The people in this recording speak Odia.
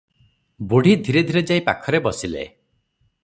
ବୁଢ଼ୀ ଧିରେ ଧିରେ ଯାଇ ପାଖରେ ବସିଲେ ।